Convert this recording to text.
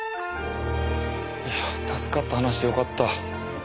助かった話でよかった。